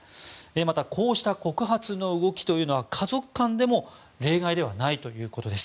また、こうした告発の動きというのは家族間でも例外ではないということです。